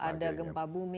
kalau ada gempa bumi